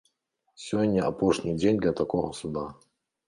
Сёння апошні дзень для такога суда.